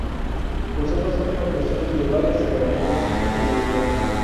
Posee las últimas versiones de varias herramientas de seguridad.